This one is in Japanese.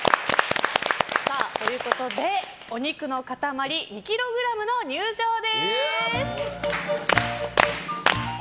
お肉の塊２ｋｇの入場です。